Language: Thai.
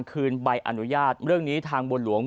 คืนใบอนุญาตเรื่องนี้ทางบนหลวง